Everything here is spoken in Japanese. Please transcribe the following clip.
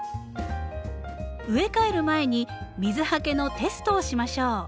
植え替える前に水はけのテストをしましょう。